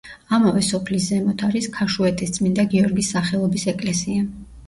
ამავე სოფლის ზემოთ არის ქაშუეთის წმინდა გიორგის სახელობის ეკლესია.